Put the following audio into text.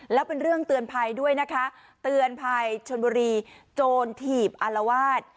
แล้วเป็นเรื่องเตือนภัยด้วยนะคะเตือนภัยชนบุรีโจรถีบอารวาส